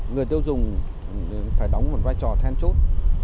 người tiêu dùng phải đóng một vai trò thêm chút